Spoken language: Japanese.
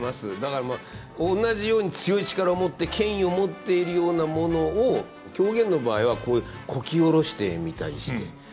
だからおんなじように強い力を持って権威を持っているようなものを狂言の場合はこき下ろしてみたりして。